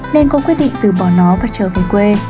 nên có quyết định từ bỏ nó và trở về quê